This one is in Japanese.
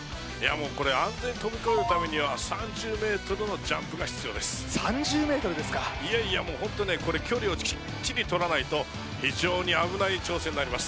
もうこれ安全に飛び越えるためには３０ｍのジャンプが必要です３０ｍですかいやいやもうホントねこれ距離をきっちり取らないと非常に危ない挑戦になります